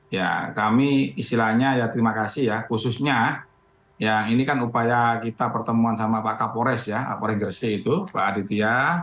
ya kami istilahnya ya terima kasih ya khususnya ya ini kan upaya kita pertemuan sama pak kapolres ya kapolres gresik itu pak aditya